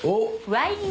ワイン。